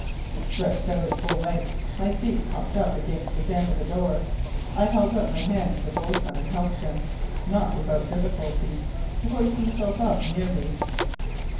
Stretched out at full length, my feet propped up against the jamb of the door, I held out my hand to the boatswain, and helped him, not without difficulty, to hoist himself up near me.